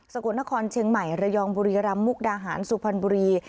กลนครเชียงใหม่ระยองบุรีรำมุกดาหารสุพรรณบุรี